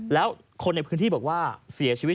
แล้วคนในพื้นที่บอกว่าเสียชีวิต